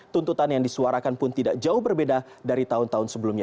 tuntutan yang disuarakan pun tidak jauh berbeda dari tahun tahun sebelumnya